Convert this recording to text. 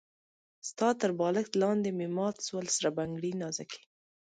ستا تر بالښت لاندې مي مات سول سره بنګړي نازکي